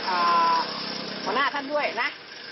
หัวหน้าท่านด้วยนะ